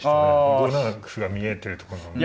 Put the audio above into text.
５七歩が見えてるとこなので。